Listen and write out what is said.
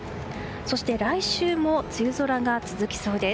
そして来週も梅雨空が続きそうです。